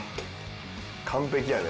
完璧やで。